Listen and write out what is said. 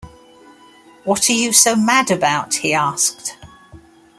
“What are you so mad about?” he asked.